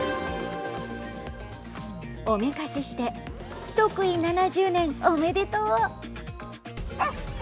おめかしして即位７０年、おめでとう。